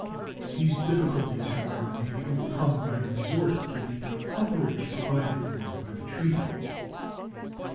These difficulties, however, may be overcome by resort to the umpirage provided for by the treaty.